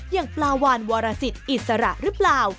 อย่างปลาวานวรสิทธิ์อิสระหรือเปล่า